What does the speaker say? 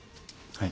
はい。